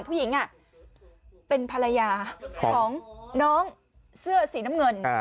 ผู้หญิงเป็นภรรยาของน้องเสื้อสีน้ำเงิน